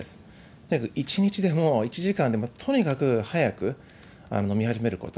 とにかく一日でも一時間でも、とにかく早く飲み始めること。